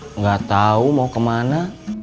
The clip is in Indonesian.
enggak tahu mau ke mana